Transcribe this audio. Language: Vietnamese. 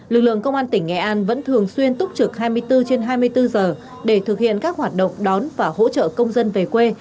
lực lượng công an tỉnh nghệ an vẫn thường xuyên túc trực hai mươi bốn trên hai mươi bốn giờ để thực hiện các hoạt động đón và hỗ trợ công dân về quê